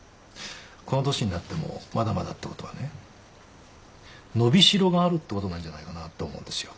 この年になってもまだまだってことはね伸び代があるってことなんじゃないかなって思うんですよ。